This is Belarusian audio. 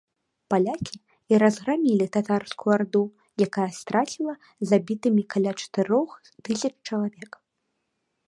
Палякі і разграмілі татарскую арду, якая страціла забітымі каля чатырох тысяч чалавек.